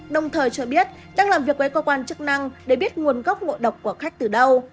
đồng thời cho biết đang làm việc với cơ quan chức năng để biết nguồn gốc ngộ độc của khách từ đâu